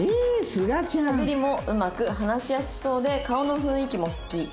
「しゃべりもうまく話しやすそうで顔の雰囲気も好き」